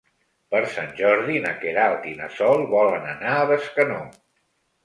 Per Sant Jordi na Queralt i na Sol volen anar a Bescanó.